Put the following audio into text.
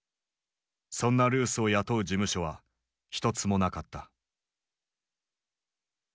そんなルースを雇う事務所は一つもなかった。